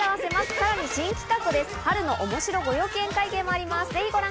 さらに新企画です、春のおもしろご陽気宴会芸もあります！